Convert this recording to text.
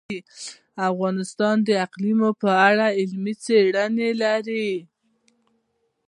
افغانستان د اقلیم په اړه علمي څېړنې لري.